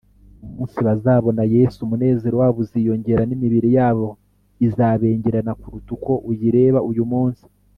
umunsi bazabona Yesu umunezero wabo uziyongera n’imibiri yabo izabengerana kuruta uko uyireba uyu munsi